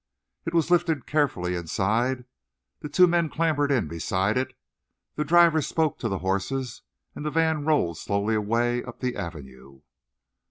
It was lifted carefully inside, the two men clambered in beside it, the driver spoke to the horses, and the van rolled slowly away up the Avenue.